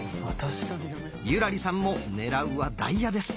優良梨さんも狙うは「ダイヤ」です。